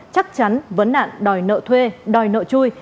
chắc chắn vấn nạn đòi nợ thuê đòi nợ chui